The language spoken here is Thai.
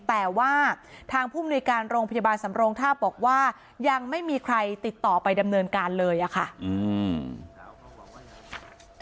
แต่ว่าทางผู้มนุยการโรงพยาบาลสำโรงทาบบอกว่ายังไม่มีใครติดต่อไปดำเนินการเลยอะค่ะ